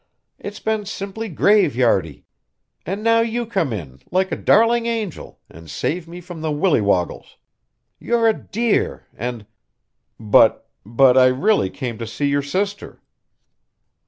It's been simply graveyardy! And now you come in like a darling angel and save me from the willywoggles. You're a dear, and " "But but I really came to see your sister."